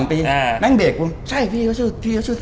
พี่หอยชื่อกินผสัก